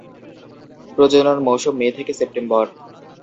প্রজনন মৌসুম মে থেকে সেপ্টেম্বর।